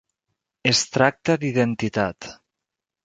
Es tracta d'identitat.